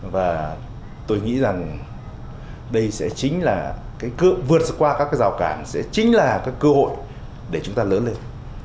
và tôi nghĩ rằng đây sẽ chính là vượt qua các giao cản sẽ chính là cơ hội để chúng ta lớn lên